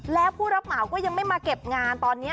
แล้วผู้รับเหมาก็ยังไม่มาเก็บงานตอนนี้